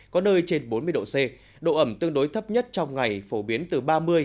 có nơi trên bốn mươi độ c độ ẩm tương đối thấp nhất trong ngày phổ biến từ ba mươi bốn mươi năm